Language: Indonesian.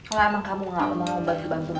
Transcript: kalo emang kamu gak mau membantu mama